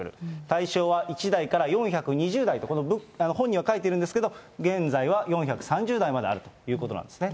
対象は１代から４２０代と、この本には書いてあるんですけれども、現在は４３０代まであるということなんですね。